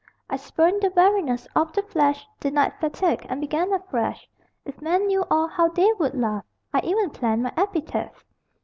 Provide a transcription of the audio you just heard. I spurned the weariness Of the flesh; Denied fatigue And began afresh If men knew all, How they would laugh! I even planned My epitaph....